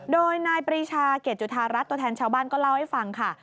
โดยนายปรีชาเกดจุธารัฐตัวแทนชาวบ้านก็เล่าให้ฟังค่ะ